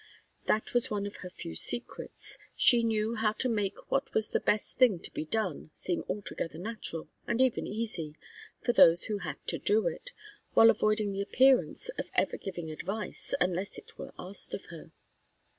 That was one of her few secrets. She knew how to make what was the best thing to be done seem altogether natural, and even easy, for those who had to do it, while avoiding the appearance of ever giving advice unless it were asked of her.